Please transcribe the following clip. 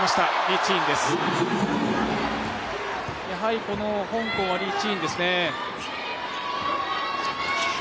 やはりこの香港はリ・チインですね。